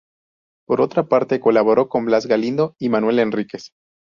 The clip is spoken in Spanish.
Por otra parte, colaboró con Blas Galindo y Manuel Enríquez.